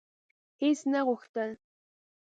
هیڅ نه غوښتل: